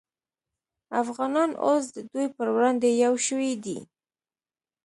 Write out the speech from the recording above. افغانان اوس د دوی پر وړاندې یو شوي دي